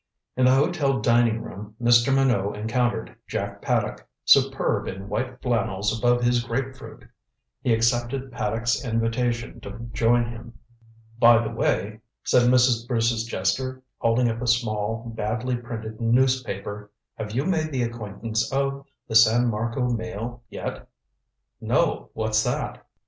In the hotel dining room Mr. Minot encountered Jack Paddock, superb in white flannels above his grapefruit. He accepted Paddock's invitation to join him. "By the way," said Mrs. Bruce's jester, holding up a small, badly printed newspaper, "have you made the acquaintance of the San Marco Mail yet?" "No what's that?"